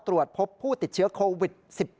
ตรวจพบผู้ติดเชื้อโควิด๑๙